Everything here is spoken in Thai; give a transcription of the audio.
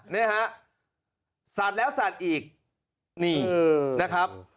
นี่ฮะสาดแล้วสาดอีกนี่นะครับ